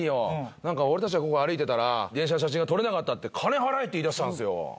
なんか俺たちがここ歩いてたら電車の写真が撮れなかったって金払えって言い出したんすよ。